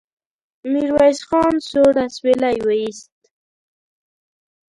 ميرويس خان سوړ اسويلی وايست.